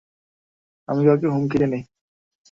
আমি কাউকে হুমকি দেইনি।